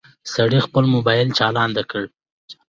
سړي خپل موبايل چالان کړ.